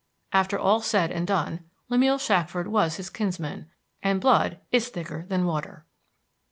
After all said and done, Lemuel Shackford was his kinsman, and blood is thicker than water!